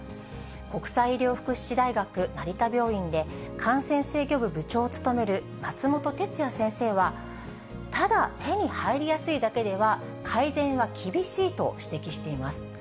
国際医療福祉大学成田病院で、感染制御部部長を務める松本哲哉先生は、ただ手に入りやすいだけでは改善は厳しいと指摘しています。